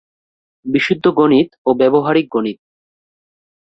বিশুদ্ধ গণিত ও ব্যবহারিক গণিত।